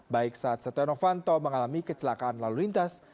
baik saat setenovanto mengalami kecelakaan lalu lintas